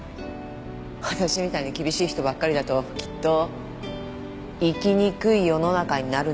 私みたいに厳しい人ばっかりだときっと生きにくい世の中になるんでしょうね。